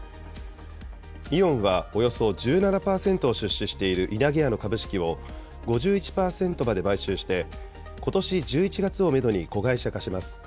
イオンはおよそ１７％を出資しているいなげやの株式を５１％まで買収して、ことし１１月をメドに子会社化します。